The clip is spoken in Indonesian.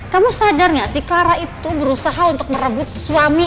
kamu sadar gak sih clara itu berusaha untuk merebut suami